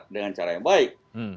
dengan cara yang baik